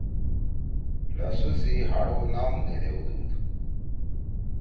لھسو سی ہاڑو نام نے دیؤدُود۔